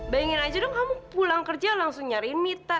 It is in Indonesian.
bayangin aja dong kamu pulang kerja langsung nyari mita